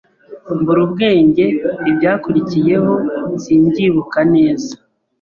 mbura ubwenge ibyakurikiyeho simbyibuka neza